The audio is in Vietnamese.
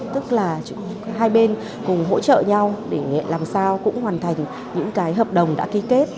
tức là hai bên cùng hỗ trợ nhau để làm sao cũng hoàn thành những cái hợp đồng đã ký kết